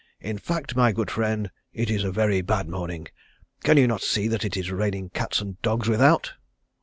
In fact, my good friend, it is a very bad morning. Can you not see that it is raining cats and dogs without?"